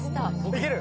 いける？